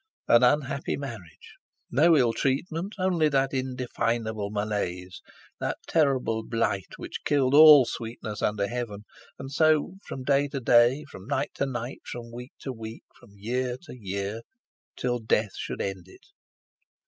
An unhappy marriage! No ill treatment—only that indefinable malaise, that terrible blight which killed all sweetness under Heaven; and so from day to day, from night to night, from week to week, from year to year, till death should end it.